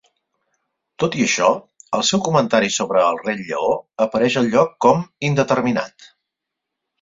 Tot i això, el seu comentari sobre "el Rei Lleó" apareix al lloc com "indeterminat".